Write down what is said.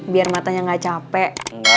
biar matanya gak capek